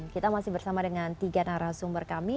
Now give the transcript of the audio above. kita masih bersama dengan tiga narasumber kami